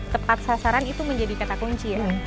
tepat sasaran itu menjadi kata kunci ya